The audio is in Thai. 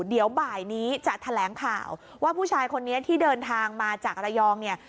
เดี๋ยวบ่ายนี้จะแถลงข่าวว่าผู้ชายคนนี้ที่เดินทางมาจากระยองเนี่ย